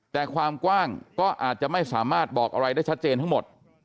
แต่ความกว้างก็อาจจะไม่สามารถบอกอะไรได้ชัดเจนทั้งหมด